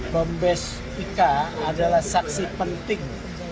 kombes ika adalah saksi penting